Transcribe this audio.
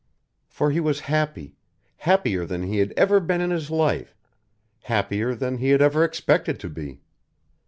For he was happy, happier than he had ever been in his life, happier than he had ever expected to be.